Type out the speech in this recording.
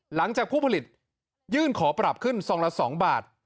หลังจากผู้ผลิตยื่นขอปรับขึ้นซองละ๒บาท